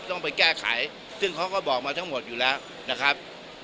ต้องไปแก้ไขซึ่งเขาก็บอกมาทั้งหมดอยู่แล้วนะครับ